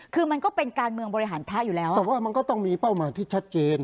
คือมันก็เป็นการเมืองบริหารพระอยู่แล้วแต่ว่ามันก็ต้องมีเป้าหมายที่ชัดเจน